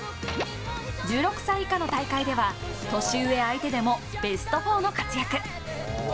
１６歳以下の大会では年上相手でもベスト４の活躍。